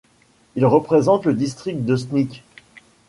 Il représente le district de Sneek.